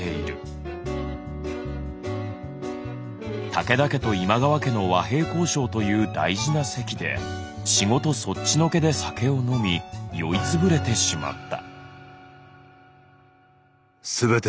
武田家と今川家の和平交渉という大事な席で仕事そっちのけで酒を飲み酔い潰れてしまった。